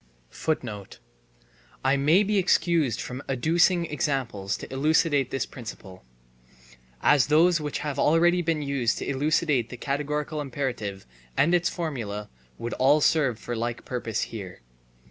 * I may be excused from adducing examples to elucidate this principle, as those which have already been used to elucidate the categorical imperative and its formula would all serve for the like purpose here.